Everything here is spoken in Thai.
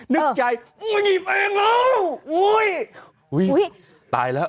นึกใจหยิบเองแล้วอุ้ยตายละ